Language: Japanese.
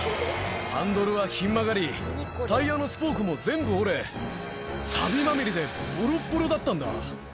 ハンドルはひん曲がりタイヤのスポークも全部折れサビまみれでボロボロだったんだ。